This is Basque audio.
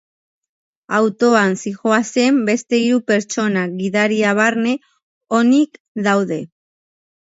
Autoan zihoazen beste hiru pertsonak, gidaria barne, onik daude.